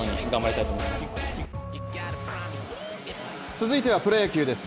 続いてはプロ野球です。